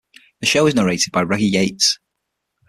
The show is narrated by Reggie Yates.